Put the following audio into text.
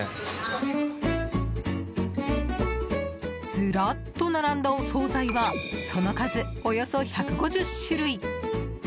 ずらっと並んだお総菜はその数、およそ１５０種類！